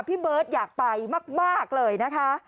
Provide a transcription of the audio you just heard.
พี่เบิร์ตอยากไปมากเลยนะคะ